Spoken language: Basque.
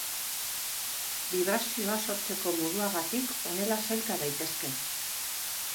Bibrazioa sortzeko moduagatik, honela sailka daitezke.